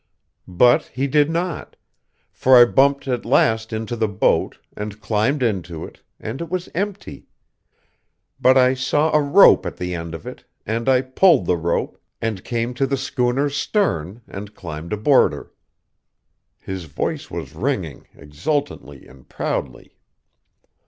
"But he did not; for I bumped at last into the boat, and climbed into it, and it was empty. But I saw a rope at the end of it, and I pulled the rope, and came to the schooner's stern, and climbed aboard her." His voice was ringing, exultantly and proudly.